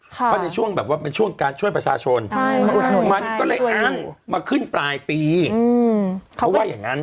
เพราะในช่วงแบบว่าเป็นช่วงการช่วยประชาชนมันก็เลยอั้นมาขึ้นปลายปีเขาว่าอย่างนั้น